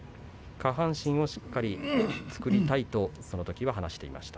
下半身をしっかりと作りたいとそのときは話していました。